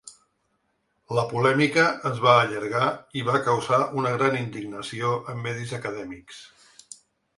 La polèmica es va allargar i va causar una gran indignació en medis acadèmics.